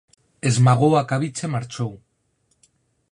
Esmagou a cabicha e marchou